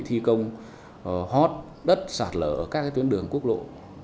thi công hót đất sạt lở ở các tuyến đường quốc lộ